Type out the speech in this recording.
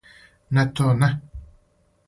Не то, не!